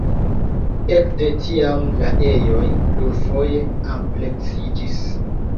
Ekde tiam la ejoj plurfoje ampleksiĝis.